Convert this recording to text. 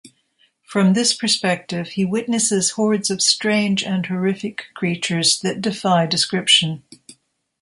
From this perspective, he witnesses hordes of strange and horrific creatures that defy description.